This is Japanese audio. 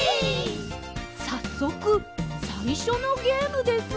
さっそくさいしょのゲームですが。